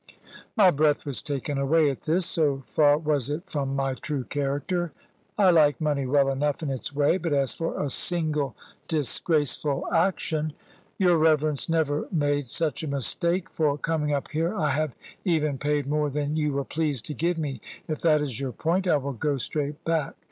My breath was taken away at this: so far was it from my true character. I like money well enough in its way; but as for a single disgraceful action "Your reverence never made such a mistake. For coming up here I have even paid more than you were pleased to give me. If that is your point I will go straight back.